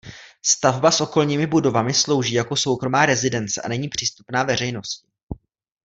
Stavba s okolními budovami slouží jako soukromá rezidence a není přístupná veřejnosti.